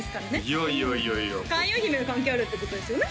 いやいやいやいや開運姫が関係あるってことですよね？